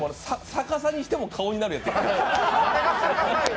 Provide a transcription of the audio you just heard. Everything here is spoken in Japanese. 逆さにしても顔になるやつ。